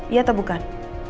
iya atau bukan